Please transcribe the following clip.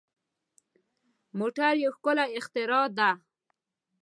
موټر یو ښکلی اختراع ده.